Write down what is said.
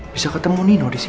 bisa ketemu nino disini